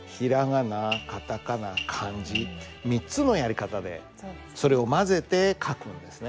３つのやり方でそれを交ぜて書くんですね。